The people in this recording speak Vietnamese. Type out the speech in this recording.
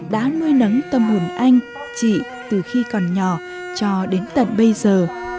đã nuôi nắng tâm hồn anh chị từ khi còn nhỏ cho đến tận bây giờ